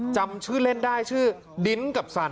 จำชื่อเล่นได้ชื่อดิ้นกับสัน